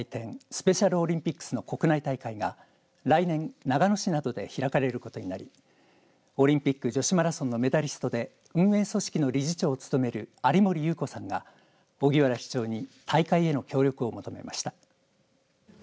スペシャルオリンピックスの国内大会が来年、長野市などで開かれることになりオリンピック女子マラソンのメダリストで運営組織の理事長を務める有森裕子さんが荻原市長に大会への協力を求めました。